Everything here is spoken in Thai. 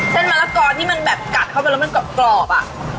มะละกอที่มันแบบกัดเข้าไปแล้วมันกรอบอ่ะ